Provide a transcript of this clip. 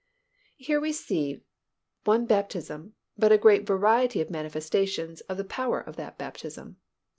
Here we see one baptism but a great variety of manifestations of the power of that baptism.